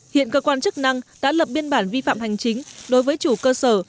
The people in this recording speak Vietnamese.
hiện cơ quan chức năng đã lập biên bản vi phạm hành chính đối với chủ cơ sở